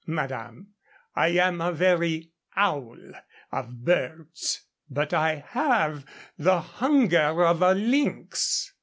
"Madame, I am a very owl of birds. But I have the hunger of a lynx."